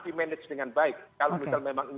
dimanage dengan baik kalau misalnya memang